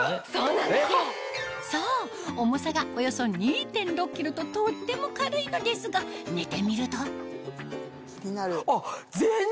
そう重さがおよそ２．６ｋｇととっても軽いのですが寝てみるとあっ。